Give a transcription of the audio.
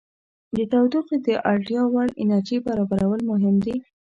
د تودوخې د اړتیا وړ انرژي برابرول مهم دي.